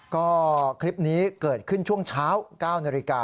ก็คลิปนี้เกิดขึ้นช่วงเช้า๙นาฬิกา